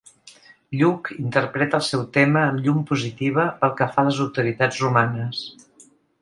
Lluc interpreta el seu tema amb llum positiva pel que fa a les autoritats romanes.